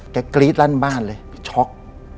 กรี๊ดลั่นบ้านเลยช็อก